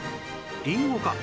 りんごか？